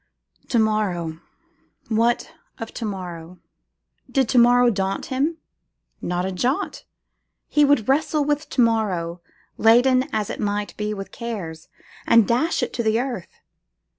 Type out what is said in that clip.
To morrow! what of to morrow? Did to morrow daunt him? Not a jot. He would wrestle with to morrow, laden as it might be with curses, and dash it to the earth.